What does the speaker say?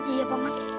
iya pak man